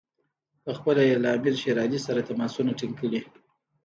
پخپله یې له امیر شېر علي سره تماسونه ټینګ کړي.